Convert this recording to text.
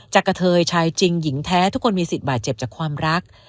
กระเทยชายจริงหญิงแท้ทุกคนมีสิทธิบาดเจ็บจากความรัก